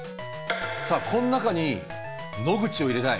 さあこん中に野口を入れたい。